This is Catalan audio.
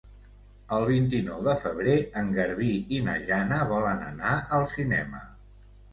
El vint-i-nou de febrer en Garbí i na Jana volen anar al cinema.